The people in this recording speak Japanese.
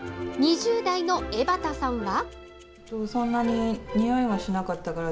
２０代の江畑さんは。